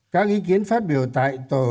các ý kiến phát biểu tại tổ